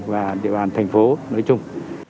và địa bàn thành phố nơi chung